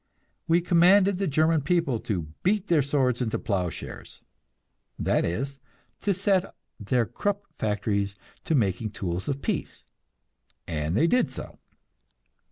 We commanded the German people to "beat their swords into plough shares"; that is, to set their Krupp factories to making tools of peace; and they did so.